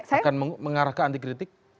akan mengarah ke anti kritik